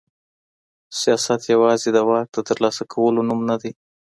سياست يوازي د واک د ترلاسه کولو نوم نه دی.